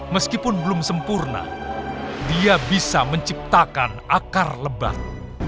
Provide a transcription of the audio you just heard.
meskipun belum sempurna dia bisa menciptakan akar lebat